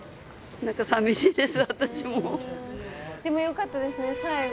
でもよかったですね最後。